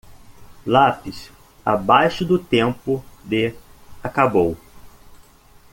Lápis abaixo do tempo de? acabou.